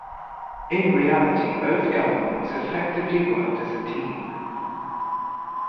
In reality both governments effectively worked as a team.